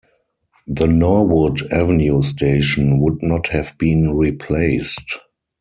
The Norwood Avenue station would not have been replaced.